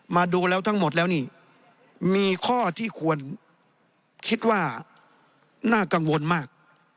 มาดูแล้วทั้งหมดแล้วนี่มีข้อที่ควรคิดว่าน่ากังวลมาก